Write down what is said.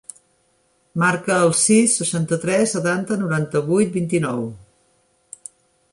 Marca el sis, seixanta-tres, setanta, noranta-vuit, vint-i-nou.